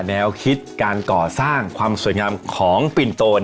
แนวคิดการก่อสร้างความสวยงามของปินโต